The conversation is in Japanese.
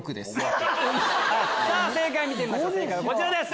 正解見てみましょうこちらです。